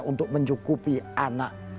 untuk menyukupi anak